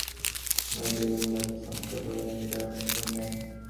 এতে সরকারের একাধিক মন্ত্রণালয় এবং বিভিন্ন দাতা সংস্থার প্রতিনিধিরা অংশ নেন।